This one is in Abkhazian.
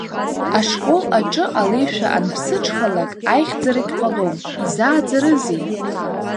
Ашкол аҿы алеишәа анԥсыҽхалак, аихьӡарагь ҟалом, изааӡарызеи?